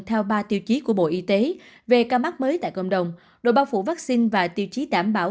theo ba tiêu chí của bộ y tế về ca mắc mới tại cộng đồng độ bao phủ vaccine và tiêu chí đảm bảo